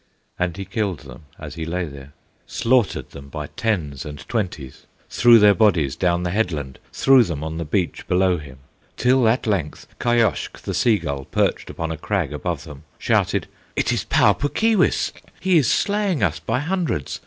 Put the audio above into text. And he killed them as he lay there, Slaughtered them by tens and twenties, Threw their bodies down the headland, Threw them on the beach below him, Till at length Kayoshk, the sea gull, Perched upon a crag above them, Shouted: "It is Pau Puk Keewis! He is slaying us by hundreds!